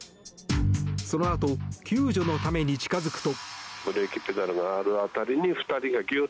そのあと救助のために近づくと。